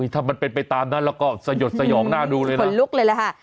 ถ้ามันเป็นไปตามนั้นแล้วก็สยดสยองหน้าดูเลยนะ